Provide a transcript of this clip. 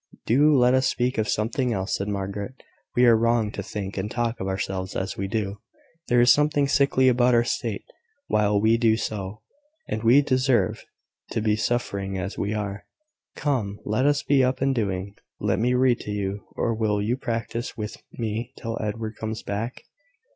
"Do let us speak of something else," said Margaret. "We are wrong to think and talk of ourselves as we do. There is something sickly about our state while we do so, and we deserve to be suffering as we are. Come! let us be up and doing. Let me read to you; or will you practise with me till Edward comes back?"